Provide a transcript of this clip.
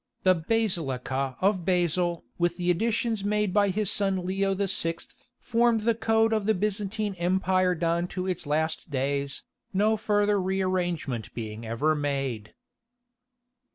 The Basilika of Basil with the additions made by his son Leo VI. formed the code of the Byzantine Empire down to its last days, no further rearrangement being ever made.